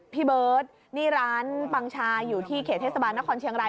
พี่เบิร์ตนี่ร้านปังชาอยู่ที่เขตเทศบาลนครเชียงราย